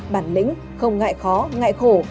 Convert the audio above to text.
bản lĩnh không ngại khó ngại khổ